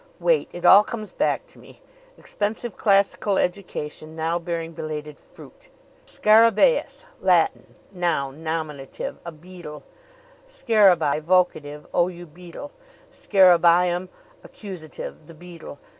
"Wait! It all comes back to me. Expensive classical education, now bearing belated fruit. Scarabaeus Latin; noun, nominative a beetle. Scarabaee vocative O you beetle! Scarabaeum accusative the beetle.